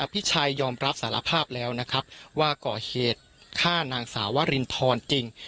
พี่ชัยยอมรับสารภาพแล้วนะครับว่าก่อเหตุฆ่านางสาววรินทรจริง